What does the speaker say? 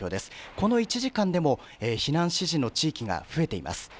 この１時間でも避難指示の地域が増えています。